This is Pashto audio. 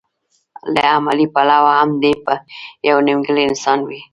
له عملي پلوه هم دی يو نيمګړی انسان وي.